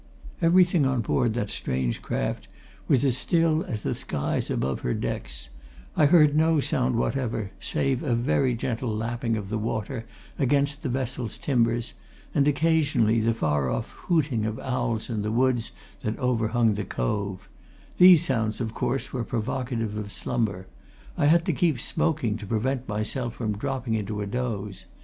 Everything on board that strange craft was as still as the skies above her decks; I heard no sound whatever save a very gentle lapping of the water against the vessel's timbers, and, occasionally, the far off hooting of owls in the woods that overhung the cove; these sounds, of course, were provocative of slumber; I had to keep smoking to prevent myself from dropping into a doze.